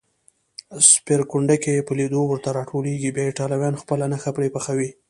سپېرکونډکې یې په لېدو ورته راټولېږي، بیا ایټالویان خپله نښه پرې پخوي.